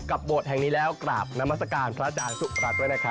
กับโบสถ์แห่งนี้แล้วกราบนมศกาลพระอาจารย์ทุกประดาษด้วยนะครับ